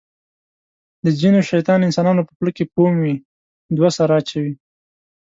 د ځینو شیطان انسانانو په خوله کې فوم وي. دوه سره اچوي.